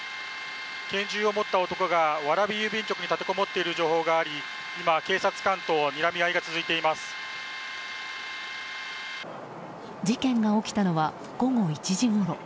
拳銃を持った男が蕨郵便局に立てこもっていると情報があり今、警察官と事件が起きたのは午後１時ごろ。